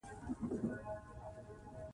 چې په هم دغه مناسبت دغه جنګي ټېنک